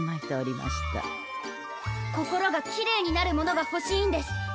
心がきれいになるものがほしいんです！